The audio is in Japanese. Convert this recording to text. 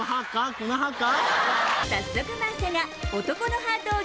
この歯か？